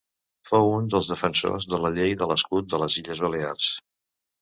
Fou un dels defensors de la llei de l'escut de les Illes Balears.